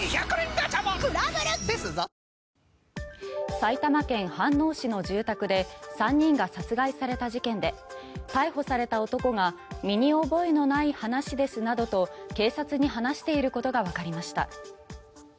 埼玉県飯能市の住宅で３人が殺害された事件で逮捕された男が身に覚えのない話ですなどと警察に話していることがわかりました。